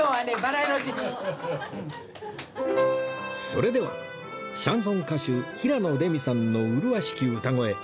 それではシャンソン歌手平野レミさんの麗しき歌声